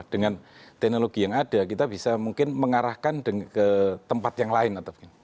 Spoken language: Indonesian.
dengan teknologi yang ada kita bisa mungkin mengarahkan ke tempat yang lain atau begini